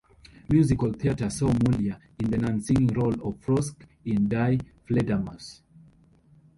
Musical theatre saw Muliar in the non-singing role of Frosch in "Die Fledermaus".